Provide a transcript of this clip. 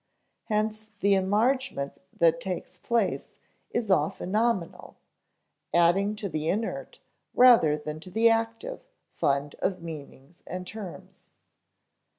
Hence the enlargement that takes place is often nominal, adding to the inert, rather than to the active, fund of meanings and terms.